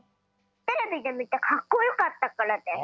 テレビでみてかっこよかったからです。